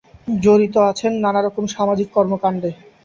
জড়িত আছেন নানা রকম সামাজিক কর্মকাণ্ডে।